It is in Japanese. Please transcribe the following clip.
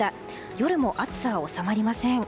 夜も暑さは収まりません。